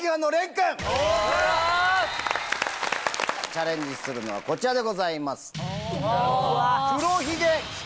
チャレンジするのはこちらでございます。